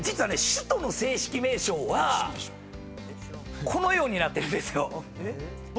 首都の正式名称はこのようになってるんですよ。